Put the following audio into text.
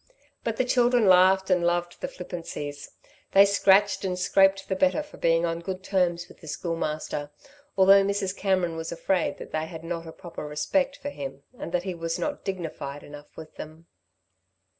But the children laughed and loved the flippancies. They scratched and scraped the better for being on good terms with the Schoolmaster, although Mrs. Cameron was afraid that they had not a proper respect for him and that he was not dignified enough with them.